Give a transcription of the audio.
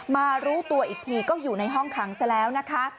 มารู้ตัวอีกทีก็อยู่ในห้องขังซะแล้วนะคะ